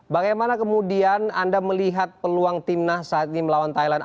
bagaimana kemudian anda melihat peluang timnas saat ini melawan thailand